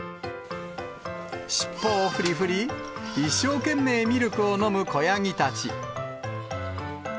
尻尾をふりふり、一生懸命ミルクを飲む子ヤギたち。